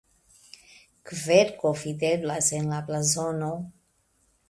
Kverko videblas en la blazono.